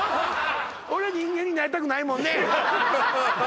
俺人間になりたくないもんね